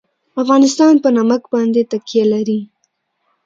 افغانستان په نمک باندې تکیه لري.